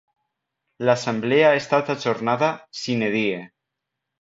L'assemblea ha estat ajornada 'sine die'.